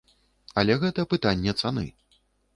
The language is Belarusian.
Але гэта пытанне цаны.